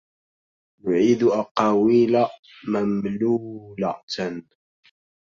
نعيد أقاويل مملولة